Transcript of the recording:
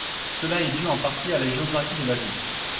Cela est dû en partie à la géographie de la ville.